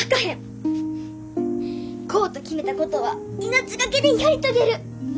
・こうと決めたことは命懸けでやり遂げる。